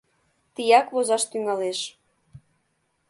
Тияк возаш тӱҥалеш.